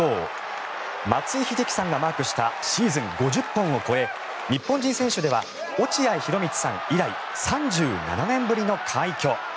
松井秀喜さんがマークしたシーズン５０本を超え日本人選手では落合博満さん以来３７年ぶりの快挙。